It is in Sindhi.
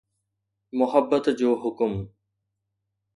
محبت جو حڪم